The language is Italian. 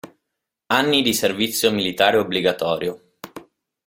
Anni di servizio militare obbligatorio.